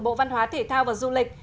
bộ văn hóa thể thao và du lịch